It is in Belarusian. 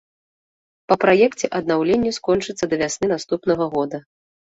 Па праекце аднаўленне скончыцца да вясны наступнага года.